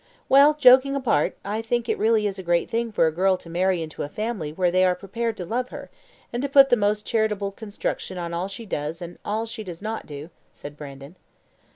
"Well, joking apart, I think it is really a great thing for a girl to marry into a family where they are prepared to love her, and to put the most charitable construction on all she does and all she does not do," said Brandon.